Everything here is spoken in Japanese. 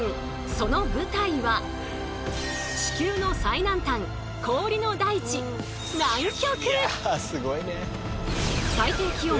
その舞台は地球の最南端氷の大地南極！